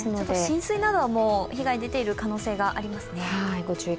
浸水なども被害が出ている可能性がありますね。